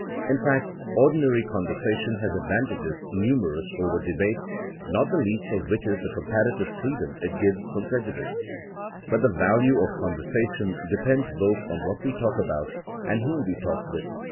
In fact, ordinary conversation has advantages numerous over debate, not the least of which is the comparative freedom it gives from preju dice. But the value of conversation depends both on what we talk about, and whom we talk with.